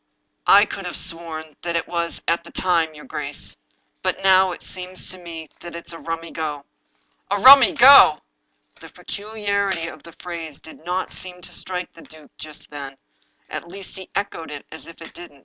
" I could have sworn that it was at the time, your grace. But now it seems to me that it's a rummy go." " A rummy go! " The peculiarity of the phrase did n^t seem to strike the duke just, then — at least, he echoed it as if it didn't.